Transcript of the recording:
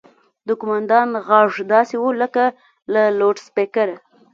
د قوماندان غږ داسې و لکه له لوډسپيکره.